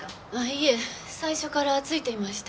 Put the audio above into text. いえ最初からついていました。